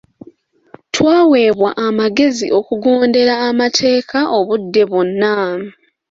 Twaweebwa amagezi okugondera amateeka obudde bwonna.